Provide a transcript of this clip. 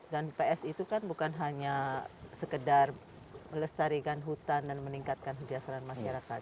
dan ps itu kan bukan hanya sekedar melestarikan hutan dan meningkatkan kejayaan masyarakat